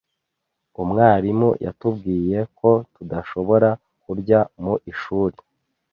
Umwarimu yatubwiye ko tudashobora kurya mu ishuri.